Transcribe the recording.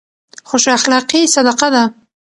خوش اخلاقي صدقه ده.